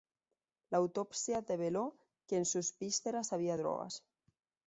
La autopsia develó que en sus vísceras había drogas.